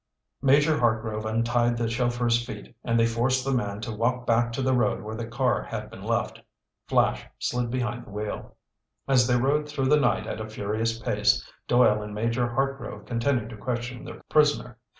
Major Hartgrove untied the chauffeur's feet and they forced the man to walk back to the road where the car had been left. Flash slid behind the wheel. As they rode through the night at a furious pace, Doyle and Major Hartgrove continued to question their prisoner.